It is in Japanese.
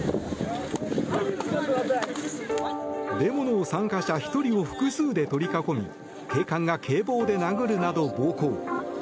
デモの参加者１人を複数で取り囲み警官が警棒で殴るなど暴行。